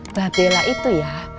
mbak bella itu ya